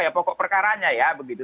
pokok perkaranya ya begitu